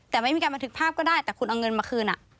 แต่ไม่มีการบันทึกภาพก็ได้แต่คุณเอาเงินมาคืน